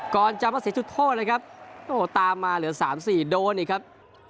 ก่อนจะมาเสียจุดโทษเลยครับโอ้โหตามมาเหลือ๓๔โดนอีกครับ